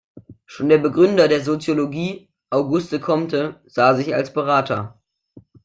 Schon der Begründer der Soziologie, Auguste Comte, sah sich als Berater.